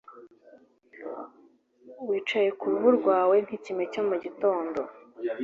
wicaye ku ruhu rwawe nk'ikime cyo mu gitondo